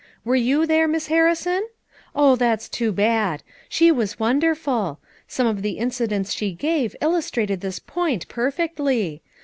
Were you there, Miss Harrison? Oh, that's too bad; she was wonderful! some of the incidents she gave illustrated this point perfectly.